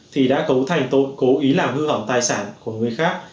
thì đã cấu thành tội cố ý làm hư hỏng tài sản của người khác